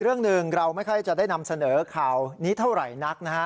เรื่องหนึ่งเราไม่ค่อยจะได้นำเสนอข่าวนี้เท่าไหร่นักนะฮะ